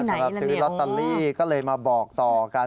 สำหรับซื้อลอตเตอรี่ก็เลยมาบอกต่อกัน